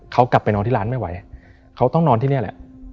เขากลับไปนอนที่ร้านไม่ไหวเขาต้องนอนที่นี่แหละ